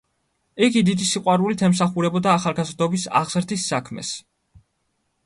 იგი დიდი სიყვარულით ემსახურებოდა ახალგაზრდობის აღზრდის საქმეს.